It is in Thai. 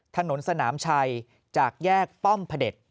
ถนนสนามชัยจากแยกป้อมพระเด็จ